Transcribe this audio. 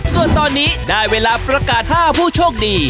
ส่วนตอนนี้ได้เวลาประกาศ๕ผู้โชคดี